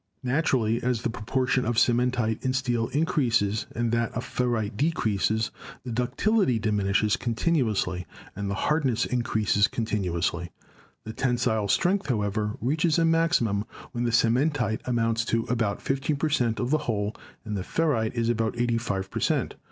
Naturally as the proportion of cementite in steel in creases and that of ferrite decreases, the ductility dimin ishes continuously and the hardness increases continu ously; the tensile strength, however, reaches a maximum when the cementite amounts to about 15 per cent, of the whole and the ferrite is about 85 per cent.